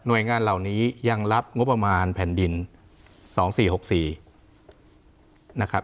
หน่วยงานเหล่านี้ยังรับงบประมาณแผ่นดินสองสี่หกสี่นะครับ